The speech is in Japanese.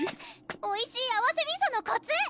おいしい合わせみそのこつ！